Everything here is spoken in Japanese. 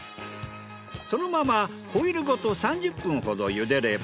そのままホイルごと３０分ほど茹でれば。